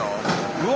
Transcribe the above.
うわ！